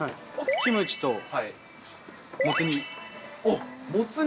キムチともつ煮。